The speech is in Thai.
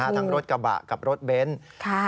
ทั้งรถกระบะกับรถเบนท์